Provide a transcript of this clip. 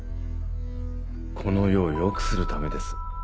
この世を良くするためです。